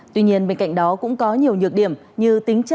tuy nhiên bên cạnh đó cũng có nhiều nhược điểm như tính chất